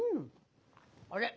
あれ？